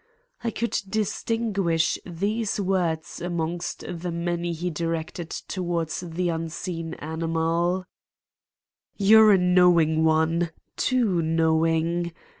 I could distinguish these words amongst the many he directed toward the unseen animal: "You're a knowing one, too knowing!